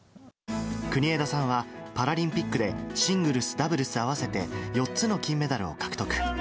国枝さんは、パラリンピックでシングルス、ダブルス合わせて４つの金メダルを獲得。